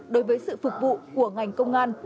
đối với sự phục vụ của ngành công an